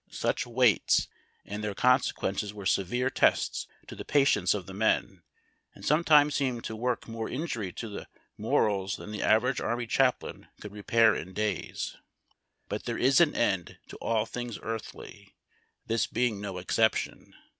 Such waits and their conse quences Avere severe tests to the })atience of the men, and sometimes seemed to work more injury to their morals tlian the average army chaplain could repair in days. But there is an end to all things earthly, this being no exception.